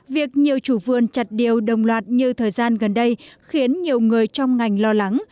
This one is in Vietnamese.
việc nhiều chủ vườn chặt điều đồng loạt như thời gian gần đây khiến nhiều người trong ngành lo lắng